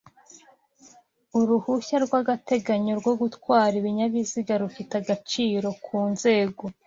Uruhushya rw’agateganyo rwo gutwara ibinyabiziga rufite agaciro ku nzego